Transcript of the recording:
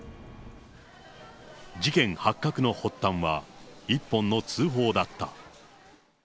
事件発覚の発端は、一本の通報だった。